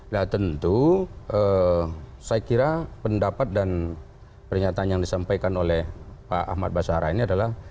nah tentu saya kira pendapat dan pernyataan yang disampaikan oleh pak ahmad basara ini adalah